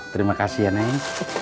terima kasih ya nek